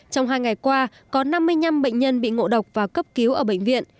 trong hai ngày qua có năm mươi năm bệnh nhân bị ngộ độc và cấp cứu ở bệnh viện